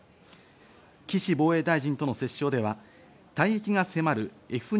岸防衛大臣との折衝では退役が迫るＦ２